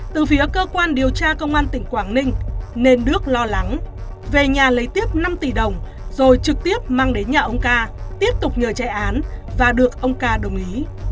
từ phía cơ quan điều tra công an tỉnh quảng ninh nên đức lo lắng về nhà lấy tiếp năm tỷ đồng rồi trực tiếp mang đến nhà ông ca tiếp tục nhờ chạy án và được ông ca đồng ý